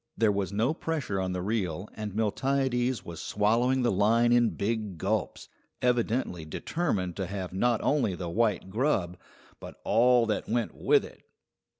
There was no pressure on the reel, and Miltiades was swallowing the line in big gulps, evidently determined to have not only the white grub, but all that went with it.